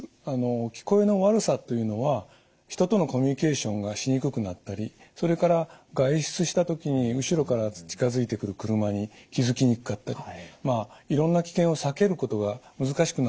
聞こえの悪さというのは人とのコミュニケーションがしにくくなったりそれから外出した時に後ろから近づいてくる車に気付きにくかったりまあいろんな危険を避けることが難しくなったりする。